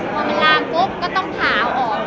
พอมันลามก็ต้องผ่าออก